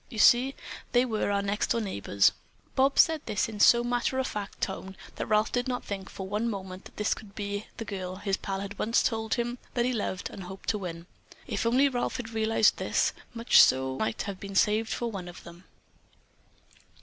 You see, they were our next door neighbors." Bobs said this in so matter of fact a tone that Ralph did not think for one moment that this could be the girl his pal had once told him that he loved and hoped to win. If only Ralph had realized this, much so might have been saved for one of them.